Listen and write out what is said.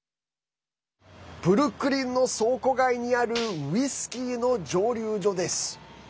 ブルックリンの倉庫街にあるウイスキーの蒸留所です。